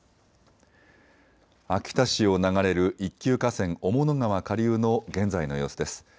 秋田市を流れる一級河川、雄物川下流の現在の様子です。